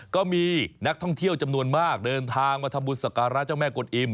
ก็มีนักท่องเที่ยวจำนวนมากเดินทางมาทำบุญสักการะเจ้าแม่กวนอิม